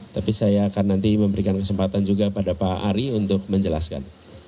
tapi saya akan nanti memberikan kesempatan juga pada pak ari untuk menjelaskan